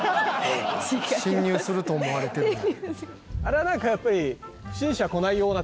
侵入すると思われてるんや。